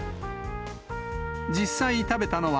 実際食べたのは、